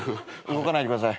動かないでください。